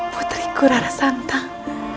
putriku rana santang